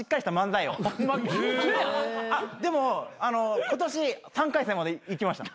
でも今年３回戦までいきました。